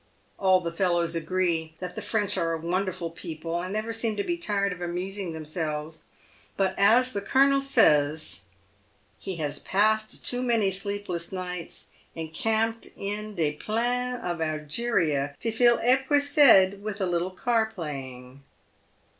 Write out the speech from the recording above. All the fellows agree that the French are a wonderful people and never seem to be tired of amusing them selves, but as the colonel says, " He has passed too many sleepless nights encamped in de plains of Algeria to feel epuised with a little card playing."